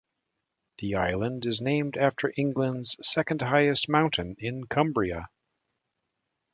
The Island is named after England's second highest mountain, in Cumbria.